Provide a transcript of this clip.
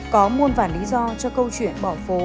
có muôn vàn lý do cho câu chuyện bỏ phố